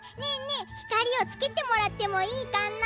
えひかりをつけてもらってもいいかな？